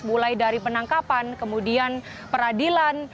mulai dari penangkapan kemudian peradilan